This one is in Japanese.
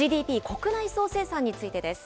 ＧＤＰ・国内総生産についてです。